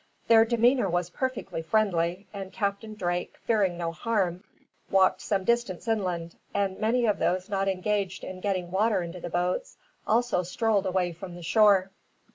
Their demeanor was perfectly friendly, and Captain Drake, fearing no harm, walked some distance inland, and many of those not engaged in getting water into the boats also strolled away from the shore.